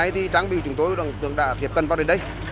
trang bị cứu chúng tôi đã tiếp cận vào đến đây